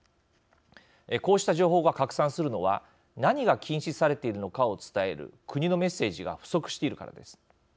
こうした情報が拡散するのは何が禁止されているのかを伝える国のメッセージが不足しているからです。